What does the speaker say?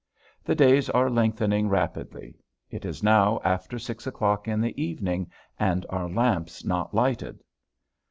The days are lengthening rapidly. It is now after six o'clock in the evening and our lamp's not lighted!